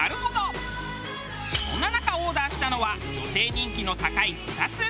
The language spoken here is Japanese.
そんな中オーダーしたのは女性人気の高い２つ。